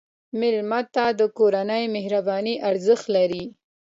مېلمه ته د کورنۍ مهرباني ارزښت لري.